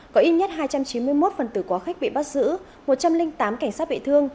có ít nhất hai trăm chín mươi một phần tử quá khích bị bắt giữ một trăm linh tám cảnh sát bị thương